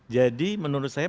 jadi menurut saya